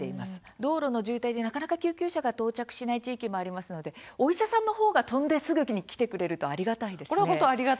道路の渋滞で、なかなか救急車が到着しない地域もありますのでお医者さんのほうからすぐに飛んできてくれるとありがたいですね。